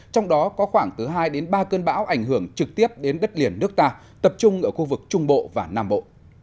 trong đó có khoảng từ hai đến ba cơn bão ảnh hưởng trực tiếp đến đất liền nước ta tập trung ở khu vực trung bộ và nam bộ